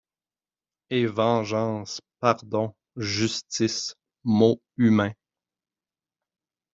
Et vengeance, pardon, justice, mots humains.